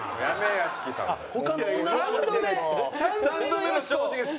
３度目の正直です。